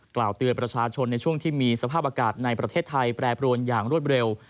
กล่าวเตือนประชาชนในช่วงที่มีสภาพอากาศในประเทศไทยแปรปรวนอย่างรวดเร็ว